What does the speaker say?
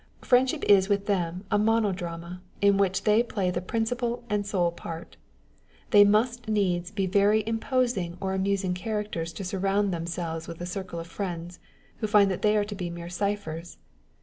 Friendship is with them a mono drama, in which they play the principal and sole part. They must needs be very imposing or amusing characters to surround themselves with a circle of friends, who find that they are to be mere cyphers.